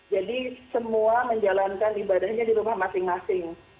jadi semua menjalankan ibadahnya di rumah masing masing